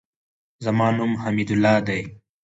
زما نوم حمیدالله دئ.